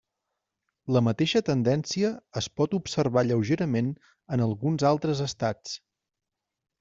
La mateixa tendència es pot observar lleugerament en alguns altres estats.